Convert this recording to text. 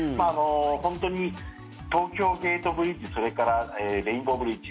本当に東京ゲートブリッジそれからレインボーブリッジ